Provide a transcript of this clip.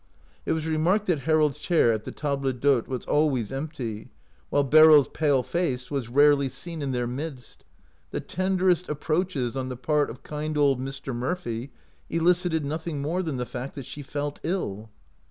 It was remarked that Harold's 127 OUT OF BOHEMIA chair at the table d'hdte was always empty, while Beryl's pale face was rarely seen in their midst. The tenderest approaches on the part of kind old Mr. Murphy elicited nothing more than the fact that she felt ill.